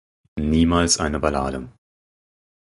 Niemals eine Ballade.